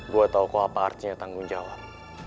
gue tau kok apa artinya tanggung jawab